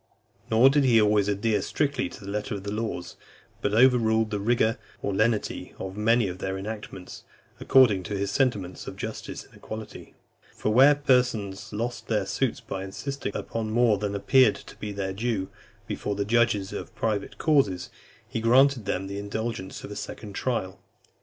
Nor did he always adhere strictly to the letter of the laws, but overruled the rigour or lenity of many of their enactments, according to his sentiments of justice and equity. For where persons lost their suits by insisting upon more than appeared to be their due, before the judges of private causes, he granted them the indulgence of a second trial.